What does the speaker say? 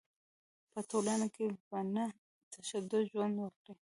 په ټولنه کې په نه تشدد ژوند وکړي.